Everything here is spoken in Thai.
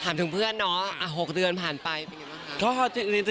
ถึงเพื่อนเนาะ๖เดือนผ่านไปเป็นไงบ้าง